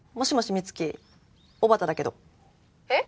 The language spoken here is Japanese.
美月小畑だけど☎えっ？